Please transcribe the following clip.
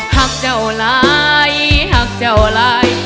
หักเจ้าหลายหักเจ้าหลาย